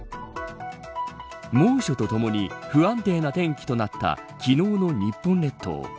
猛暑とともに不安定な天気となった昨日の日本列島。